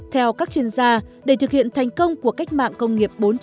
theo các chuyên gia để thực hiện thành công của cách mạng công nghiệp bốn